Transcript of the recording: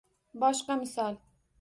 Boshqa misol.